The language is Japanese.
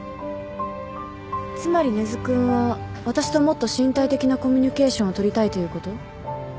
つまり根津君は私ともっと身体的なコミュニケーションをとりたいということ？